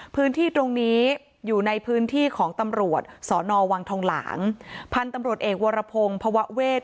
พื้นที่ตรงนี้อยู่ในพื้นที่ของตำรวจสอนอวังทองหลางพันธุ์ตำรวจเอกวรพงศ์ภาวะเวศ